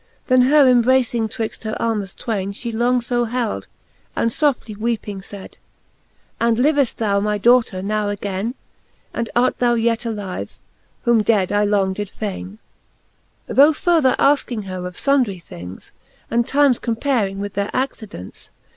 Then her embracing twixt her armes twaine. She long fo held, and foftly weeping fayd ; And liveft thou, my daughter, now againe ? And art thou yet alive, whom dead I long did faine. XX. Tho further afking her of fundry things And times comparing with their accidents.